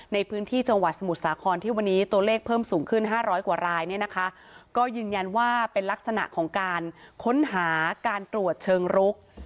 ในพื้นที่จังหวัดสมุทรสาครที่วันนี้ตัวเลขเพิ่มสูงขึ้น๕๐๐กว่ารายเนี่ยนะคะก็ยืนยันว่าเป็นลักษณะของการค้นหาการตรวจเชิงรุก